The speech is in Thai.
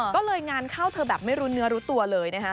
ก็เลยงานเข้าเธอแบบไม่รู้เนื้อรู้ตัวเลยนะคะ